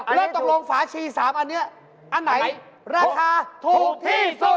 แล้วตกลงฝาชี๓อันนี้อันไหนราคาถูกที่สุด